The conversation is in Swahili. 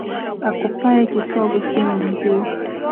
Akupaye kisogo si mwenzio